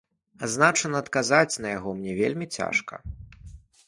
Адназначна адказаць на яго мне вельмі цяжка.